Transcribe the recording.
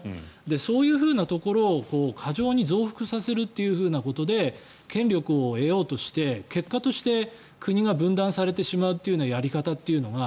そういうふうなところを過剰に増幅させるということで権力を得ようとして結果として国が分断されてしまうというやり方というのが